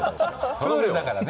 プールだからね。